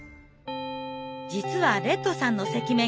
実はレッドさんの赤面